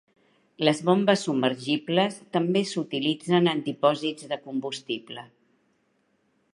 Les bombes submergibles també s'utilitzen en dipòsits de combustible.